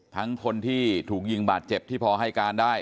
ทั้งคนที่ถูกยิงบาดเจ็บที่พอให้การได้